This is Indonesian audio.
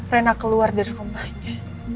rena keluar dari rumahnya